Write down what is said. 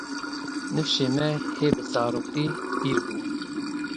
Nifşê me hê bi zaroktî pîr bû.